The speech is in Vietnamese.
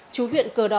chú huyện cờ đỏ